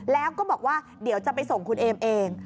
แล้วก็บอกว่าเดี๋ยวจะไปส่งคุณเอมเอง